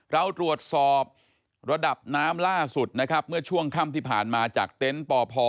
เราตรวจสอบระดับน้ำล่าสุดนะครับเมื่อช่วงค่ำที่ผ่านมาจากเต็นต์ปพ